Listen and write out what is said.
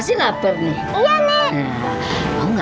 cucu nenek udah pulang semuanya